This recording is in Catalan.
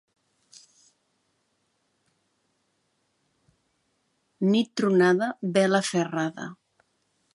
Nit tronada, vela aferrada.